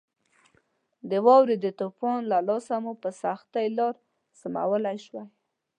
د واورې د طوفان له لاسه مو په سختۍ لار سمولای شوای.